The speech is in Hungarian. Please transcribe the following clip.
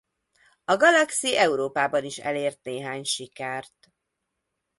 A Galaxie Európában is elért néhány sikert.